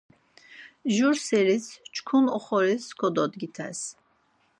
Jur seris çkun oxoris kododgites.